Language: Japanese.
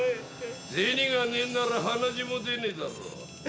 銭がねえんなら鼻血も出ねえだろ。